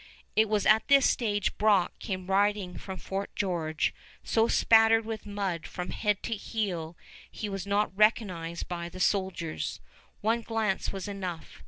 It was at this stage Brock came riding from Fort George so spattered with mud from head to heel he was not recognized by the soldiers. One glance was enough.